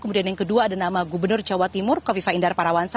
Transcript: kemudian yang kedua ada nama gubernur jawa timur kofifa indar parawansa